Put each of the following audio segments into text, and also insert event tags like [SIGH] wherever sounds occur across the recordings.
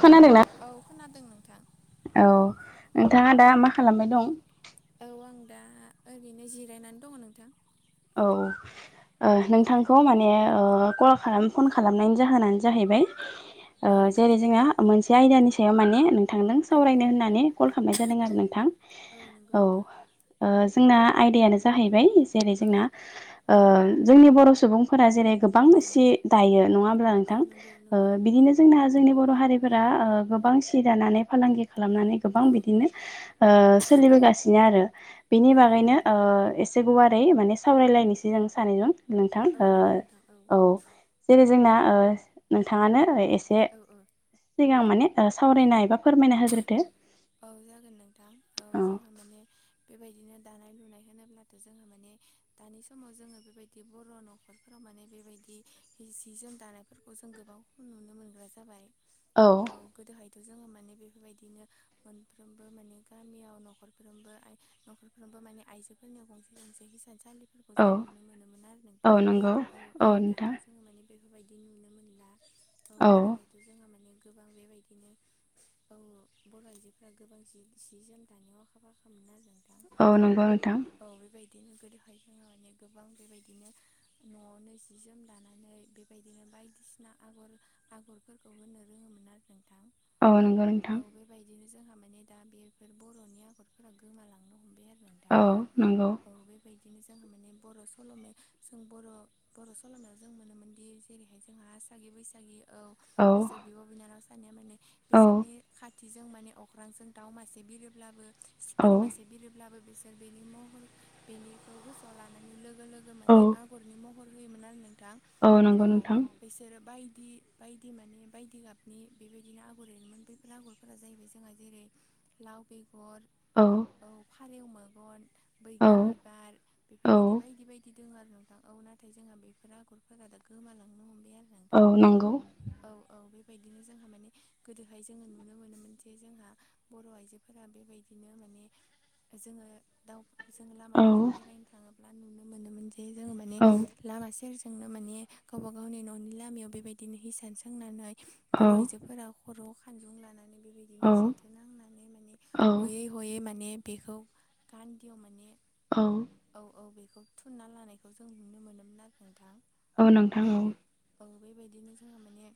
खोनादोंना औ खोनादों नोंथां। औ नोंथाङा दा मा खालामनाय दं? औ आं दा ओरैनो जिरायनानै दङ नोंथां। औ ओ औ नोंथां खौ माने ओ कल खालाम फन खालामनायनि जाहोनानो जाहैबाय ओ औ जेरै- जोंहा मोनसे आयदानि सायाव माने नों थां नों औ सावरायनो होननानै कल खालामनाय जादों औ आरो नोंथां औ नंगौ औ नोंथां ओ जोंना आयदायानो जाहैबाय जेरै- औ जोंना ओ जोंनि बर' सुबुं फोरा जेरै- गोबां औ सि दायो नङा होमब्ला औ नंगौ नोंथां नंगौ बिदिनो जोंना जोंनि बर' हारिफोरा ओ गोबां सि दानानै फालांगि खालामनानै गोबां औ बिदिनो ओ औ सोलिबोगासिनो आरो बिनि औ नंगौ बागैनो नोंथां ओ एसे से गुवारै माने सावरायलायनोसै जों सानैजों नोंथां औ ओ नंगौ नोंथां औ जेरै- जोंना ओ नोंथाङानो एसे औ औ सिगां माने ओ सावरायनाय एबा फोरमायना होग्रोदो औ जागोन नोंथां औ जोंहा माने बेबायदिनो दानाय लुनाय होनोब्लाथ' जोंहा माने दानि समाव जोङो बेबायदि बर' न'खरफोराव माने बेबायदि हि जि जोम दानायफोरखौ जों गोबाव नुनो मोनग्रा जाबाय औ औ गोदोहायथ' जोङो माने बे बेबायदिनो मोनफ्रोमबो माने गामियाव न'खरफ्रोमबो आ न'खरफ्रोमबो माने आइजो फोरनियाव गंसे गंसे हिसानसालिफोरखौ औ जों नुनो मोनोमोन आरो नोंथां औ नंगौ औ औ दाथ' नोंथां जों जोङो माने बेफोरबायदि नुनो मोनला औ गोदोहाय थ' जोंहा माने गोबां बेबायदिनो औ बर' आइजोफोरा गोबां सि सि जोम दानायाव आखा फाखामोन आरो नोंथां औ नंगौ नोंथां औ बेबायदिनो गोदोहाय जोङो माने गोबां बेबायदिनो न'आवनो जि जोम दानानै बे बायदिनो बायदिसिना आगर आगरफोरखौ होनो रोङोमोन आरो नोंथां औ नंगौ नों औ बेबायदिनो जोंहा माने दा बेफोर बर'नि आगरफोरा गोमालांनो हमबाय आरो। दा औ नंगौ औ बेबायदिनो जोंहा माने बर' सल'मे जों बर' बर' सल'मायाव जों मोनोमोनदि जेरैहाय जोंहा आसागि बैसागि औ बिसोर बिब' बिनानाव सानैया माने औ बिसोरनि खाथिजों माने अख्रांजों दाउ मासे बिरोब्लाबो सिखिरि औ मासे बिरोब्लाबो बिसो सोर बेनि महर बेनिखौ गोसोआव लानायनि लोगो लोगो औ माने आगरनि म हर होयोमोन आरो नोंथां। औ नंगौ नोंथां। बिसोरो बायदि बायदि माने बायदि गाबनि बेबायदिनो आगर एरोमोन। बेफोर आगरफोरा जाहैबाय जोंहा जेरै लाव बेगर। औ। औ फारेव मेगन औ बैग्रि बिबार औ बेफोरबायदि बायदि बाय दि दोङो आरो नोंथां औ नाथाय जोंहा बेफोर आगरफोरा दा गोमालांनो हमबाय आरो औ नोंथां। नंगौ औ औ बेबायदिनो जोंहा माने गोदोहाय जोङो नुनो मोनोमोन जे जोंहा बर' आइजोफोरा बेबायदिनो माने- जोङो दाउ जों औ लामाफोरजों बेरायनो थाङोब्ला नुनो मोनोमोन जे जोङो माने औ लामा सेरजोंनो माने गावबा गावनि न'नि लामायाव बेबायदिनो हिसान सोंनानै औ बर' आइजोफोरा खर' खानजुं लानानै बेबायदिनो जेथो नांनानै माने औ हयै- हयै माने बेखौ गान्दियाव माने औ। औ औ बेखौ थुनना लानायखौ जों नुनो मोनोमोन आरो नोंथां औ। औ बेबायदिनो जोङो माने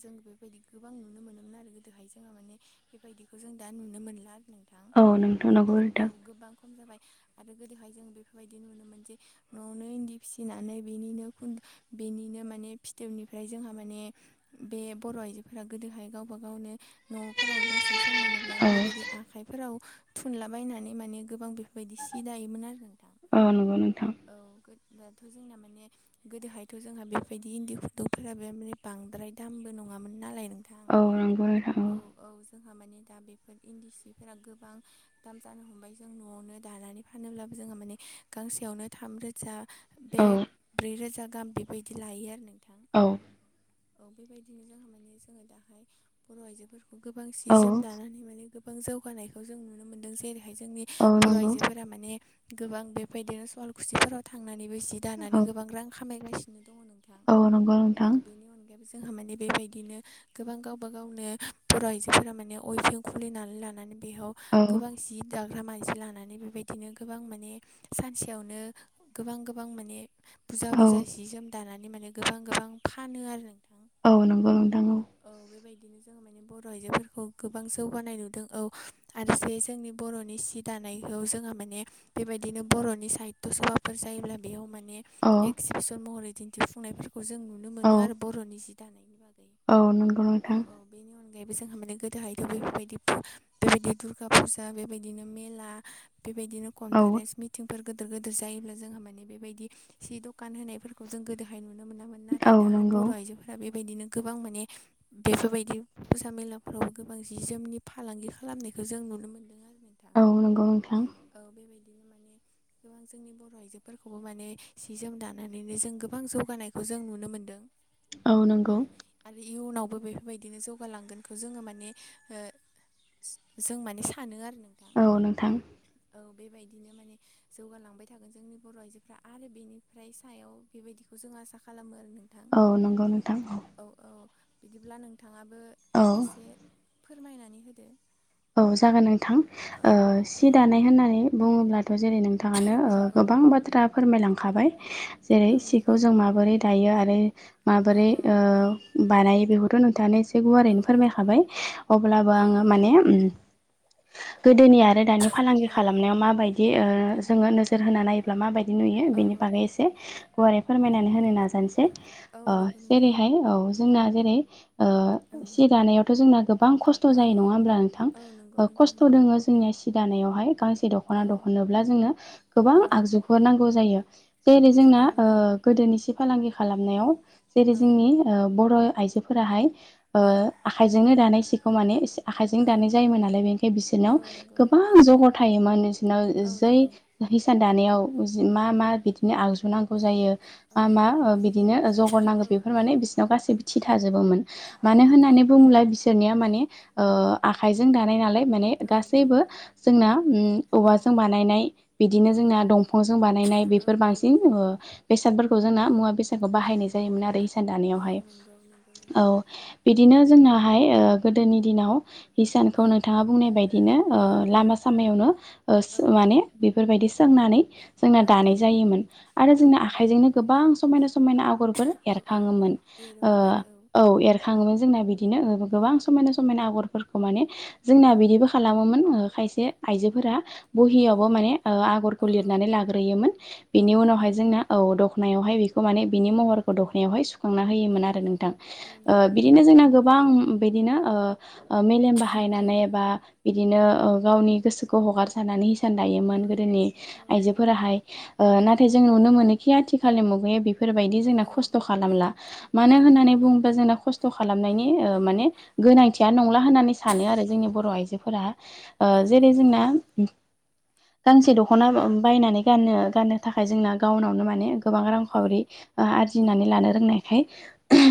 जों बेबायदि गोबां नुनो मोनोमोन आरो गोदोहाय जोंहा माने बेबायदिखौ जों दा नुनो मोनला आरो नोंथां औ नोंथां नंगौ औ नोंथां गोबां खम जाबाय। आरो गोदोहाय जों बेफोरबायदि नुनो मोन जे न'आवनो इन्दि फिसिनानै बेनिनो खुन्दु बेनिनो माने फिथोबनिफ्राय जोंहा माने बे बर' आइजोफोरा गोदोहाय गावबा गावनो न'फोराव दसे सम औ मोनोब्लानो बेबायदि आखाइफोराव थुनलाबायनानै माने गोबां बेफोरबायदि- इ दायोमोन आरो नोंथां। औ नंगौ नोंथां औ गो दाथ' जोंना माने गोदोहायथ' जोंहा बेफोरबायदि इन्दि खुन्दुंफोराबो माने बांद्राय दामबो नङामोन नालाय नों थां औ नंगौ नोंथां औ। औ जोंहा माने दा बेफोर इन्दि सिफोरा गोबां दाम जानो हमबाय जों न'आवनो दानानै फानोब्लाबो जोंहा माने गांसेयावनो थामरोजा बे औ ब्रै रोजा गाहाम बेबाय दि लायो आरो नोंथां। औ। औ बैबायदिनो जोंहा माने जोङो दाहाय बर' आइजोफोर गोबां सि औ जोम दानानै माने गोबां जौगानायखौ जों नुनो मोनदों जेरैहाय जोंनि औ बर' नंगौ आइजोफोर माने गोबां बेबायदिनो सुवाल खुसिफोराव थांनानैबो जि औ दानानै गोबां रां खामायगासि- नो दङ नों औ नंगौ नोंथां। जोंहा माने बेबायदिनो गोबां गावबा गावनो बर' आइजोफोरा माने अइफिं खुलिनानै लानानै बेहाव औ गोबां जि दाग्रा मानसि लानानै बेबाय बिदिनो गोबां माने सानसेयावनो गोबां गोबां माने बुजा औ बुजा जि जोम दानानै माने गोबां गोबां फानो आरो नोंथां। औ नंगौ नोंथां औ। औ बेबायदिनो जों ङो माने बर' आइजोफोरखौ गोबां जौगानाय नुदों औ आरो जे जोंनि बर'नि सि दानायखौ जोंहा माने बेबायदिनो बर'नि साहित्य' सभाफोर जायोब्ला बेयाव माने अ सिपस महरै दिन्थिफुंनायफोरखौ जों नुनो मोनो आरो बर'नि जि दानायनि बागै औ नंगौ औ नोंथां। औ बेनि अनगायैबो जोंहा माने गोदोहायथ' बेफोरबायदि बेबायदि दुर्गा फुजा बेबायदिनो मेला बेबायदिनो औ कनफारेन्स मि थिंफोर गिदोर गिदिर जायोब्ला जोंहा माने बेबायदि सि दखान होनायफोरखौ जों गोदोहाय नुनो मोनामोन औ नाथाय दाहाय नंगौ बर' आइजोफोरा बेबायदिनो गोबां माने बेफोरबायदि फुजा मेलाफोरावबो गोबां जि जोमनि फालांगि खालामनायखौ जों नुनो मोनो। [UNINTELLIGIBLE] औ नंगौ नोंथां। औ बेबायदिनो माने गोबां जोंनि बर' आइजोफोरखौबो माने सि जोम दानानैनो जों गोबां जौगानायखौ जों नुनो मोनदों। औ आरो इयुनावबो बेफोरबायदिनो जौगालांगोनखौ जोङो माने ओ जों माने सानो आरो नोंथां। अ नोंथां। औ बेबायदिनो माने जौगालांबाय थागोन जोंनि बर' आइजोफ्रा आरो बेनि फ्राय सायाव बेबायदिखौ जों आसा खालामो आरो नों औ नंगौ नोंथां औ। औ औ बिदिब्ला नोंथाङाबो औ एसे फोरमायनानै होदो। औ जागोन नोंथां औ औ सि दानाय होननानै बुङोब्ला जेरै नोंथाङानो औ औ गोबां बाथ्रा फोरमायलांखाबाय जेरै औ सिखौ नंगौ जों माबोरै दायो आरो औ माबोरै औ बानायो बेखौथ' नोंथाङानो एसे औ गुारैनो औ फोरमायखाबाय अब्लाबो औ आङो नंगौ माने गोदोनि आरो दानि फालांगि औ खालामनायाव माबायदि औ जोङो नोजोर होना नाय ब्ला माबायदि नुयो औ बेनि औ बागै एसे गुवारै फोरमायनानै होनो नाजानोसै। औ ओ नंगौ नोंथां जेरैहाय औ जोंना जेरै औ सि दानायावथ' जोंना गोबां खस्थ' औ जायो औ नङा होमब्ला नोंथ औ नंगौ नोंथां खस्थ' नंगौ दोङो जोंनिया सि दानायावहाय। गांसे दख'ना औ दहननोब्ला जोंनो गोबां औ आगजुफोर नांगौ जायो। जेरै जोंना औ ओ नंगौ गोदोनि सि फालांगि खालामनायाव जेरै औ जोंनि ओ बर' आइजोफोराहाय ओ औ आखाइजोंनो दानाय सिखौ माने इसे आखाइजों जों औ दानाय जायोमोन नालाय बेनिखाय औ बिसोरनाव नंगौ गोबां औ जगार थायोमोन बिसोरनाव औ जै नंगौ हिसान दानायाव मा मा बिदिनो आगजु नांगौ जायो औ मा मा बिदिनो जगर नांगौ औ बेफोर माने बिसोरनाव गासैबो थि थाजोबोमोन। औ मानो नंगौ होननानै बुङोबला बिसोर बिसोरनिया माने आखायजों दानाय नालाय माने औ गासैबो जोंना औ औवाजों बानायनाय बिदिनो औ जोंना दंफांजों बानायनाय औ बेफोर बांसिन ओ बेसादफोरखौ जोंना मुवा बेसादखौ औ बाहायनाय जायोमोन आरो इसान दानायावहाय नंगौ नंगौ औ। नोंथां बिदिनो जोंनाहाय गोदोनि दिनाव हिसानखौ औ नोंथाङा बुंनाय बायदिनो औ औ लामा सामायावनो ओ औ माने बेफोरबायदि सोंनानै जोंना औ दानाय जायोमोन। आरो औ जोंना नंगौ आखाइजोंनो गोबां समायना समायना आग'रफोर औ औ एरखाङोमोन। एरोमोन आरो औ। खाङोमोन जोंना बिदिनो गोबां समायना समायना आगर खौ माने औ जोंना बिदिबो खालामोमोन खायसे आइजोफोरा औ बहियावबो माने औ आगरखौ लिरनानै लाग्रोयोमोन औ बिनि नंगौ उनावहाय जोंना औ दखनायावहाय बेखौ माने बिनि महरखौ दख'नायावहाय सु खांना औ होयोमोन आरो नोंथां औ ओ नंगौ बिदिनो नोंथां जोंना गोबां बिदिनो ओ ओ मेलेम बाहायनानै औ बा बिदिनो गावनि गोसोखौ हगारसारनानै हिसान दायोमोन गोदोनि औ औ नंगौ आइजोफोराहाय। ओ औ नाथाय जों नुनो मोनोखि आथिखालनि मुगाया बेफोरबायदि जोंना औ खस्थ' खालामला। मानो औ होननानै नंगौ बुङोबा जोंना खस्थ' खालामनायनि ओ माने गोनांथिया नं ला होननानै सानो आरो औ जोंनि बर' आइजोफोरा ओ औ जेरै नंगौ जोंना गांसे दख'ना बायनानै गानो गाननो थाखाय जोंना गावनावनो माने गोबां रांखावरि ओ औ आरजिनानै औ लानो रोंनाय खाय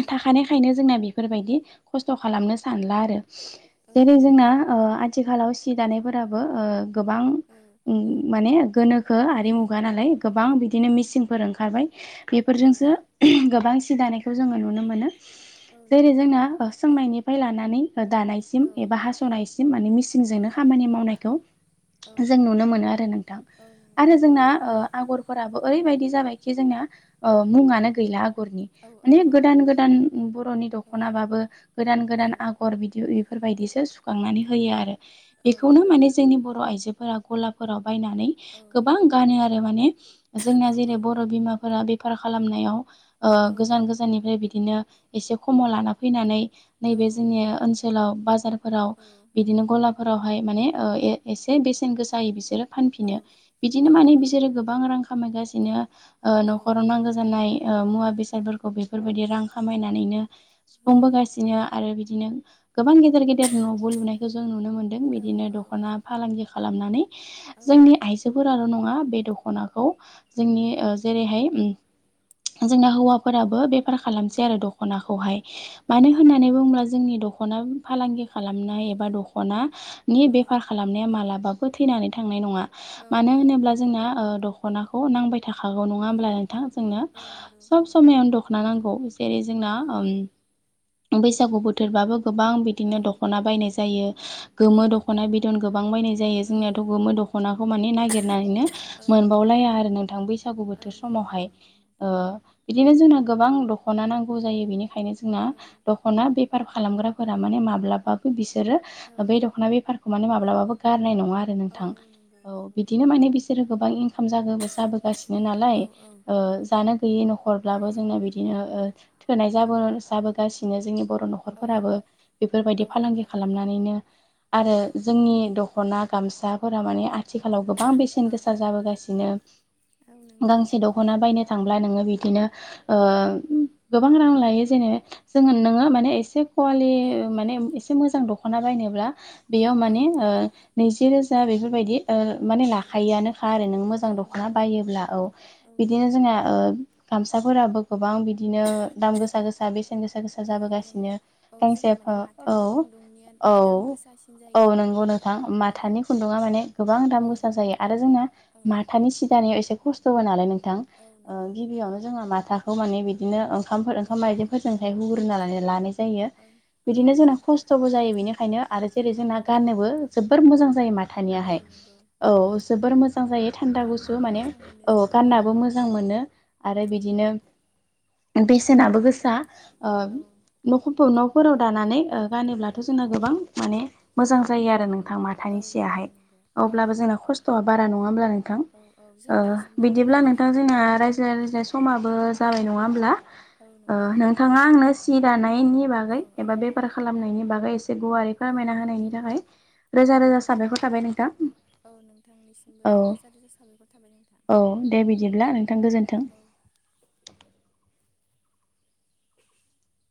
औ थाखानायखायनो जोंना बेफोरबायदि खस्थ' खालामनो सानला आरो। औ जेरै नंगौ जोंना ओ आथिखालाव सि दानायफोराबो ओ गोबां। औ। उम माने गोनोखो औ आरिमुगा नालाय गोबां बिदिनो मिसिनफोर ओंखारबाय। औ बेफोरजोंसो गोबां सि दानायखौ जोङो नुनो मोनो। औ जेरै नंगौ जोंना ओ सोंनायनि। फाय लानानै औ दानायसिम एबा हास'नायसिम माने औ मिसिनजोंनो खामानि मावनायखौ। औ जों नुनो मोनो आरो नोंथां। औ नंगौ आरो जोंना ओ। आगरफोराबो ओरैबायदि जाबायखि जोंना ओ मुंङानो गैला आगरनि। औ औ माने गोदान गोदान बर'नि औ दखनाबाबो गोदान औ गोदान आग आगर बिदि बेफोरबायदिसो सुखांनानै होयो आरो औ बेखौनो नंगौ माने जोंनि बर' आइजोफोरा। गलाफोराव बायनानै औ गोबां गानो आरो माने जोंना औ औ जेरै बर' बिमाफोरा बे। बेफार खालामनायाव ओ औ नंगौ गोजान गोजाननिफ्राय बिदिनो एसे खमाव लाना फैनानै। नै औ बे। [UNINTELLIGIBLE] बाजारफोराव औ बिदिनो गलाफोरावहाय माने ओ ए एसे बेसेन गोसायै बिसोरो। फानफिनो औ बिदिनो माने बिसोरो गोबां रां खामायगासिनो ओ न'खराव नांगौ जानाय। ओ मुवा बेसादफोरखौ बेफोरबायदि रां खामायनानैनो सुफुंबोगासिनो। आरो बिदिनो गोबां गेदेर-गेदेर न'बो लुनायखौ जों नुनो मोन्दों बिदिनो दख'ना। फालांगि खालामनानै जोंनि आइजोफोराल' नङा बे दख'नाखौ। जोंनि उम ओ जेरैहाय उम जोंना हौवाफोराबो बे खालामसै आरो दखनाखौहाय औ मानो होनना नंगौ होमब्ला जोंनि दख'ना फालांगि खालामनाय एबा दख'नानि औ बेफार खालामनाया मालाबा थैनानै थांनाय नांङा औ मानो नंगौ होनोब्ला जोंना ओ दखनाखौ नांबाय। थाखागौ नङा औ होमब्ला नोंथां जोंनो औ नंगौ औ सब समायाव दख'ना नांगौ जेरै जोंना, बैसागु बोथोरबाबो गोबां बिदिनो औ दख'ना बायनाय जायो। औ गोमो नंगौ दख'ना बिदन गोबां बायनाय जायो। औ जोंनियाथ' गोमो दख'नाखौ माने नागिरनानैनो। औ मोनबावलाया आरो नोंथां बैसागु औ बोथोर नंगौ समावहाय नंगौ ओ। नोंथां ओ बिदिनो जोंना गोबां दख'ना नांगौ जायो बेनिखायनो जोंना औ दख'ना बे। बेपार खालामग्राफोरा माने माब्लाबाबो। बिसोरो औ बै दख'ना बेफारखौ माने माब्लाबाबो गारनाय नङा आरो औ नोंथां। औ नंगौ औ नंगौ बिदिनो माने बिस फोरो गोबां इनकाम जागोबो जाबोगासिनो औ नालाय औ ओ जानो गैयि न'खरब्लाबो जोंना बिद बिदिनो ओ थोनाय जाबो जाबोगासिनो जोंनि बर' न'ख औ नखरफोराबो औ बेफोरबायदि फालांगि नंगौ खालामनानैनो आरो औ जोंनि द दखना गामसाफोरा माने आ आथिखालाव गोबां औ बेसेन गोसा जाबोगासिनो। औ नंगौ गांसे द दख'ना बायनो थांब्ला नोङो बिदिनो ओ गोबां रां लायो जेनेब जोङो नोङो माने एसे कुवालि औ माने एसे मोजां दख'ना बायनोब्ला। औ बेयाव माने ओ नैजि रोजा बेफोरबायदि। ओ माने औ लाखायोआनोखा आरो नों मोजां दख'ना नंगौ बायोब्ला औ बिदिनो जोंहा। ओ गामसाफोराबो गोबां बिदिनो दाम गोसा गोसा बेस गोसा गोसा औ औ जाबोगासिनो औ गांसे जोंहा माने फा औ माथानि खुन्दुंनिया औ दाम गोसासिन औ जायो आरो नोंगौ। नोंथां औ माथानि खुन्दुङा माने गोबां दाम औ गोसा जायो आरो जोंना औ माथानि सिदानाय एसे। खस्थ'बो नालाय नोंथां औ नंगौ नोंथां गिबियावनो जोंहा माथाखौ माने बिदिनो ओंखामफोर औ औ ओंखामायदि हुग्रोननानै लानाय जायो औ औ बिदिनो जोंना नंगौ खस्थ'बो जायो बेनिखायनो आरो जेरै जोंना औ गाननोबो जोबोर मोजां जायो मा औ नंगौ औ नंगौ जोबोर मोजां जायो थान्दा गुसु गाननाबो माने मोजां मोनो औ जोङो औ गाना मो मोजां मोनो आरो बिदिनो बेसेनाबो गोसा ओ औ न'फोराव दानानै ओ औ गानोब्लाथ' जोंना गोबां माने मोजां जायो आरो नोंथां माथानि औ नंगौ सियाहाय नंगौ औ अब्लाबो जोंना खस्थ' बारा नंआहोब्ला नोंथां। औ औ जों ओ दासिमबो माने बिदिब्ला नोंथां बेबायदि जोंहा औ औ रायज्लाय रायज्लाय समाबो जाबाय नङा होमब्ला। औ नंगौ नोंथाङा आंनो सि दानाय नि औ बागै एबा बेफार खालामनायनि बागैसे गुवारै औ फोरमायना होनायनि थाखाय औ रोजा रोजा साबायखर थाबाय नोंथां। औ नोंथांनिसिमबो औ रोजा रोजा साबायखर थाबाय नोंथां। औ दे बिदिब्ला नोंथां गोजोन्थों। औ [INAUDIBLE]